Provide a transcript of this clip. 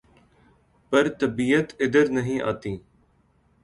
پر طبیعت ادھر نہیں آتی